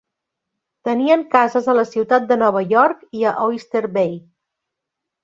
Tenien cases a la ciutat de Nova York i a Oyster Bay.